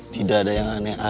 tidak ada yang anehnya